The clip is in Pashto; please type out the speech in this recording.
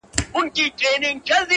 په بدلو څوک نه لوئېږي.